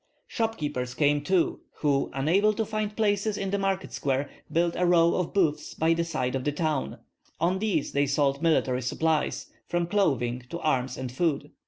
Shop keepers came too, who, unable to find places in the market square, built a row of booths by the side of the town, on these they sold military supplies, from clothing to arms and food.